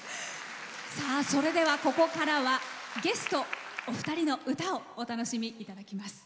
それでは、ここからはゲストお二人の歌をお楽しみいただきます。